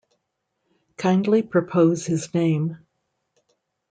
Kindly propose his name.